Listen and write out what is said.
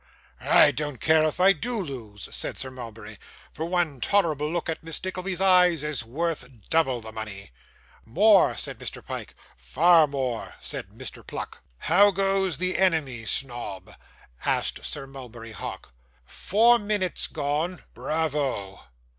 'I don't care if I do lose,' said Sir Mulberry; 'for one tolerable look at Miss Nickleby's eyes is worth double the money.' 'More,' said Mr. Pyke. 'Far more,' said Mr. Pluck. 'How goes the enemy, Snobb?' asked Sir Mulberry Hawk. 'Four minutes gone.' 'Bravo!